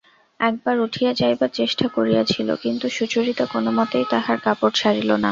একবার উঠিয়া যাইবার চেষ্টা করিয়াছিল কিন্তু সুচরিতা কোনোমতেই তাহার কাপড় ছাড়িল না।